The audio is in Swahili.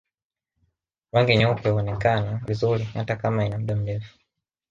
Rangi nyeupe huonekana vizuri hata kama ina muda mrefu